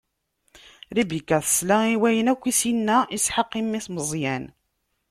Ribika tesla i wayen akk i s-inna Isḥaq i mmi-s Meẓyan.